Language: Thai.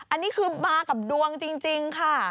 อันนี้คือมากับดวงจริงค่ะ